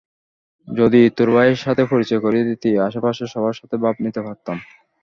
যদি তোর ভাইয়ের সাথে পরিচয় করিয়ে দিতি, আশেপাশের সবার সাথে ভাব নিতে পারতাম।